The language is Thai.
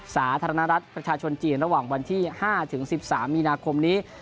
สาธารณรัฐประชาชนจีนระหว่างวันที่๕ถึง๑๓มีนาคมนี้